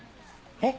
えっ？